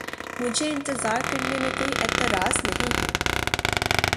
مجھے اِنتظار کرنے میں کوئی اعتراض نہیں ہے۔